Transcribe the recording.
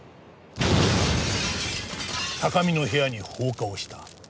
高見の部屋に放火をした。